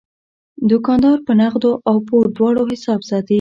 دوکاندار په نغدو او پور دواړو حساب ساتي.